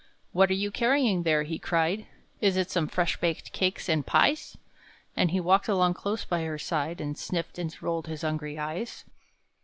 "What are you carrying there?" he cried; "Is it some fresh baked cakes and pies?" And he walked along close by her side, And sniffed and rolled his hungry eyes.